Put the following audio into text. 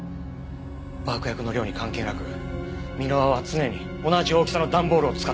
爆薬の量に関係なく箕輪は常に同じ大きさの段ボールを使ってた。